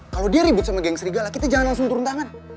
kalau dia ribut sama geng serigala kita jangan langsung turun tangan